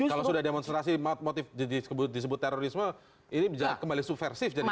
kalau sudah demonstrasi motif disebut terorisme ini kembali suversif jadinya ya